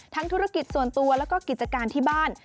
ธุรกิจส่วนตัวแล้วก็กิจการที่บ้าน